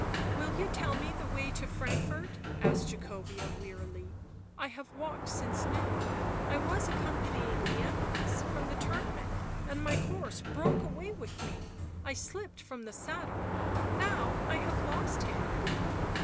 "Will you tell me the way to Frankfort ?" asked Jacobea wearily. " I have walked since noon. I was accompanying the Empress from the tournament and my horse broke away with me — I slipped from the saddle. Now I have lost him."